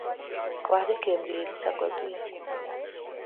კვარი გემრიელი საკვებია